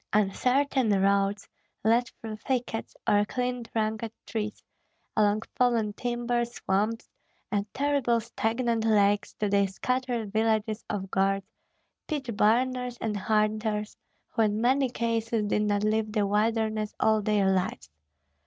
Uncertain roads led through thickets or clean trunked trees, along fallen timber, swamps, and terrible stagnant lakes to the scattered villages of guards, pitch burners, and hunters, who in many cases did not leave the wilderness all their lives.